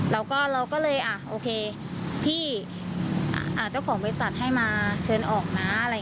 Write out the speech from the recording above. เราก็เลยโอเคพี่เจ้าของบริษัทให้มาเชิญออกนะ